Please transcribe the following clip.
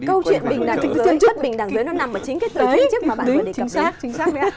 câu chuyện bình đẳng dưới bất bình đẳng dưới nó nằm ở chính cái từ tiêu chức mà bạn vừa đề cập đến